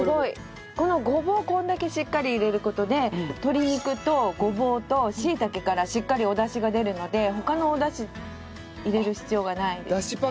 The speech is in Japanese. このごぼうをこれだけしっかり入れる事で鶏肉とごぼうと椎茸からしっかりおダシが出るので他のおダシ入れる必要がないですね。